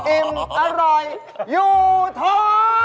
อิ่มอร่อยอยู่ท้อง